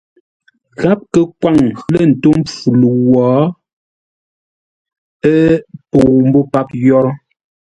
Gháp kə kwaŋ lə̂ ńtó mpfu ləu wo, ə́ pəu mbô páp yórə́.